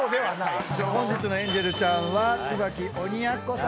本日のエンジェルちゃんは椿鬼奴さんです。